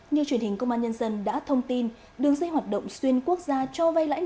như truyền hình công an nhân dân đã thông tin đường dây hoạt động xuyên quốc gia cho vay lãi